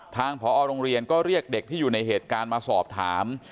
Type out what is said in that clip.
ทางพอโรงเรียนก็เรียกเด็กที่อยู่ในเหตุการณ์มาสอบถาม